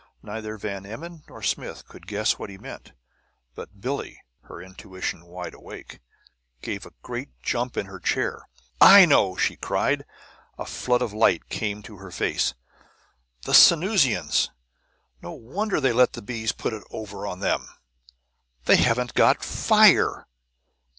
Neither Van Emmon nor Smith could guess what he meant; but Billie, her intuition wide awake, gave a great jump in her chair. "I know!" she cried. A flood of light came to her face. "The Sanusians no wonder they let the bees put it over on them!" "They haven't got FIRE!